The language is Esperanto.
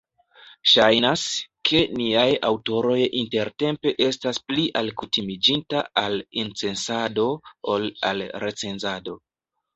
Ŝajnas, ke niaj aŭtoroj intertempe estas pli alkutimiĝintaj al incensado, ol al recenzado.